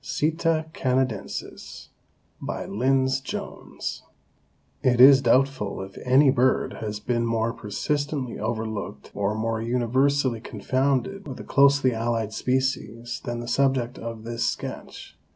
(Sitta canadensis.) BY LYNDS JONES. It is doubtful if any bird has been more persistently overlooked or more universally confounded with a closely allied species than the subject of this sketch.